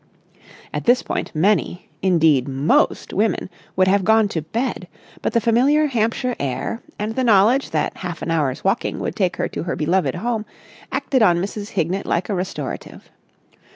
At this point many, indeed most, women would have gone to bed; but the familiar Hampshire air and the knowledge that half an hour's walking would take her to her beloved home acted on Mrs. Hignett like a restorative.